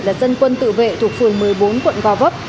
là dân quân tự vệ thuộc phường một mươi bốn quận gò vấp